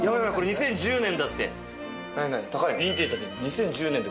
２０１０年だって。